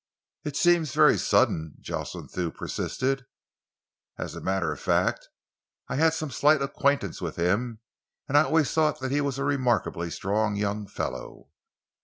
"It seems very sudden," Jocelyn Thew persisted. "As a matter of fact, I had some slight acquaintance with him, and I always thought that he was a remarkably strong young fellow."